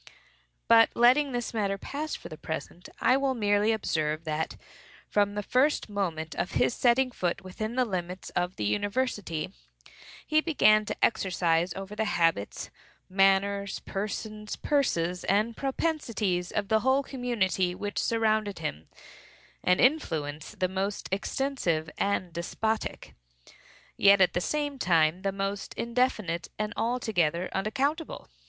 But, letting this matter pass for the present, I will merely observe that, from the first moment of his setting foot within the limits of the university, he began to exercise over the habits, manners, persons, purses, and propensities of the whole community which surrounded him, an influence the most extensive and despotic, yet at the same time the most indefinite and altogether unaccountable.